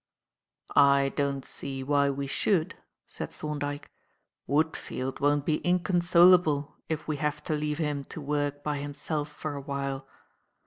"I don't see why we should," said Thorndyke. "Woodfield won't be inconsolable if we have to leave him to work by himself for a while."